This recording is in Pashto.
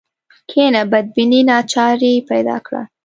کینه بدبیني ناچاري پیدا کړه